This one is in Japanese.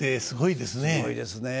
すごいですね。